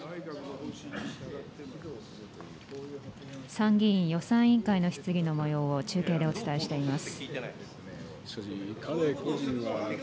参議院予算委員会の質疑のもようを、中継でお伝えしています。